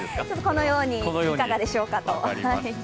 このようにいかがでしょうかと。